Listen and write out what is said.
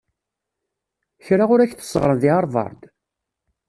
Kra ur ak-t-sseɣren deg Havard?